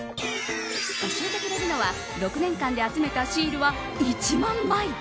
教えてくれるのは６年間で集めたシールは１万枚。